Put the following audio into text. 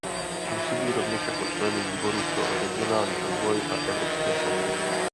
Působí rovněž jako člen výboru pro regionální rozvoj a evropské fondy.